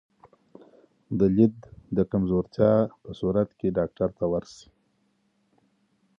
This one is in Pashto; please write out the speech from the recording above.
د لید د کمزورتیا په صورت کې ډاکټر ته ورشئ.